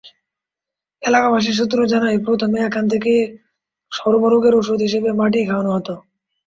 এলাকাবাসী সূত্র জানায়, প্রথমে এখান থেকে সর্বরোগের ওষুধ হিসেবে মাটি খাওয়ানো হতো।